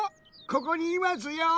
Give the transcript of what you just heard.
ここにいますよ！